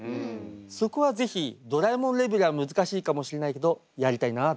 そこは是非ドラえもんレベルは難しいかもしれないけどやりたいなと。